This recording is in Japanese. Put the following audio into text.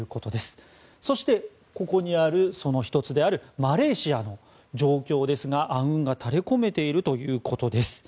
そして、その１つであるマレーシアの状況ですが暗雲が垂れ込めているということです。